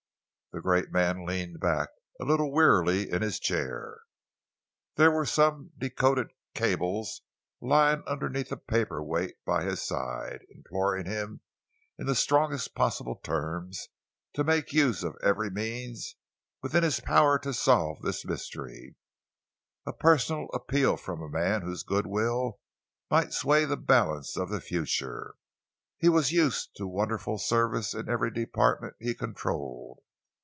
The great man leaned back a little wearily in his chair. There were some decoded cables, lying under a paper weight by his side, imploring him in the strongest possible terms to make use of every means within his power to solve this mystery, a personal appeal from a man whose good will might sway the balance of the future. He was used to wonderful service in every department he controlled.